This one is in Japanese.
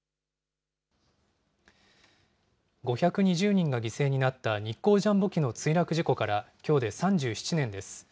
５２０人が犠牲になった日航ジャンボ機の墜落事故からきょうで３７年です。